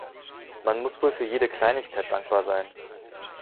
Man muss wohl für jede Kleinigkeit dankbar sein.